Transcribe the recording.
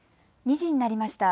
２時になりました。